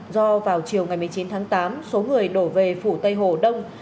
do vào chiều ngày một mươi chín tháng tám số người đổ về phủ tây hồ đông